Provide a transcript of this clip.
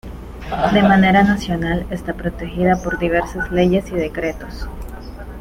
De manera nacional, está protegida por diversas leyes y decretos.